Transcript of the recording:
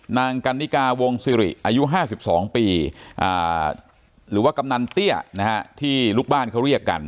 นางกันนิกาวงศิริอายุ๕๒ปีหรือว่ากำนันเตี้ยนะฮะที่ลูกบ้านเขาเรียกกัน